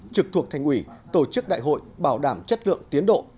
lực thuộc thành quỷ tổ chức đại hội bảo đảm chất lượng tiến độ